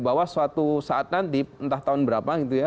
bahwa suatu saat nanti entah tahun berapa gitu ya